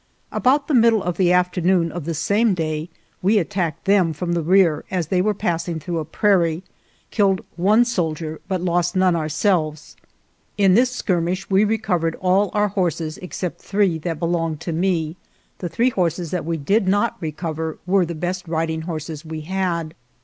About the middle of the afternoon of the same day we attacked them from the rear as they were passing through a prairie — killed one soldier, but lost none ourselves. In this skirmish we recovered all our horses except three that belonged to me. The three horses that we did not recover were the best riding horses we had.